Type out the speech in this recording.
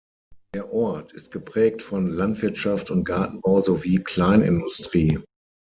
Der Ort ist geprägt von Landwirtschaft und Gartenbau sowie Kleinindustrie.